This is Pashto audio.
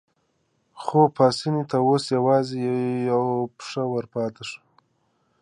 خو پاسیني ته اوس یوازې یوه پښه ورپاتې وه.